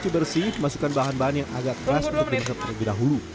bersih bersih masukkan bahan bahan yang agak keras untuk dimasak terlebih dahulu